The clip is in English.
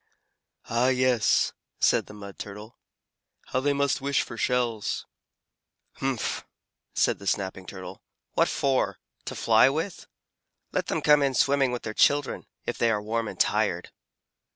"Ah yes," said the Mud Turtle. "How they must wish for shells!" "Humph!" said the Snapping Turtle. "What for? To fly with? Let them come in swimming with their children, if they are warm and tired."